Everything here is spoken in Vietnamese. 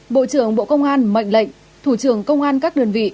bộ trưởng bộ công an mệnh lệnh thủ trưởng công an các đơn vị